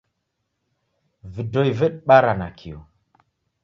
Vidoi vedibara nakio.